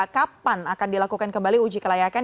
kapan akan dilakukan kembali uji kelayakan